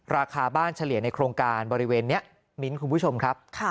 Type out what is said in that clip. ราคาบ้านเฉลี่ยในโครงการบริเวณนี้มิ้นท์คุณผู้ชมครับ